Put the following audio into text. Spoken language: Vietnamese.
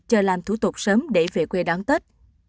chờ làm thủ tục sớm để về quê đón tết